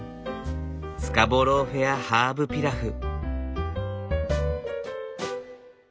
スカボロー・フェアハーブピラフ。